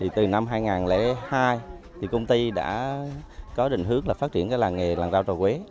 từ năm hai nghìn hai công ty đã có định hướng phát triển làng nghề làng rau trà quế